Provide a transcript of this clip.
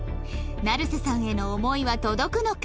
成瀬さんへの思いは届くのか？